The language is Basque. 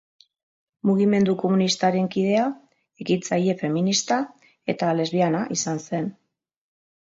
Mugimendu Komunistaren kidea, ekintzaile feminista eta lesbiana izan zen.